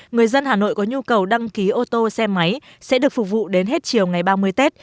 người dân hà nội có nhu cầu đăng ký ô tô xe máy sẽ được phục vụ đến hết chiều ngày ba mươi tết